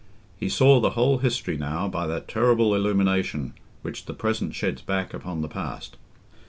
He saw the whole history now by that terrible illumination which the present sheds back upon the past.